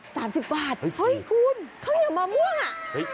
สามสิบบาทเฮ้ยคุณข้าวเหนียวมะม่วงอ่ะเฮ้ย